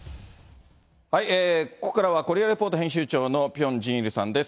ここからはコリアレポート編集長のピョン・ジンイルさんです。